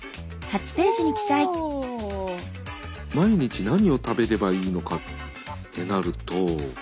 毎日何を食べればいいのかってなると。